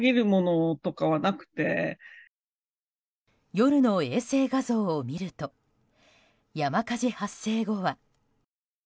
夜の衛星画像を見ると山火事発生後は。